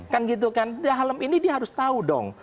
kan gitu kan dalam ini dia harus tahu dong